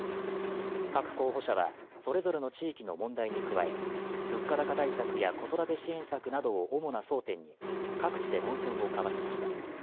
各候補者はそれぞれの地域の問題に加え、物価高対策や子育て支援策などを主な争点に各地で論戦を交わしました。